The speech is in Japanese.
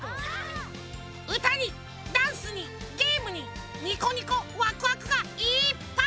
うたにダンスにゲームにニコニコワクワクがいっぱい！